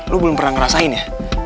lu belum pernah ngerasain ya